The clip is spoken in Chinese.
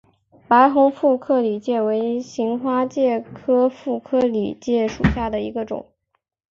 白虹副克里介为荆花介科副克里介属下的一个种。